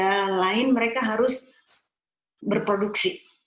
negara lain mereka harus berproduksi